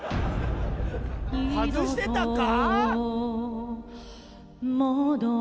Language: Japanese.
外してたか？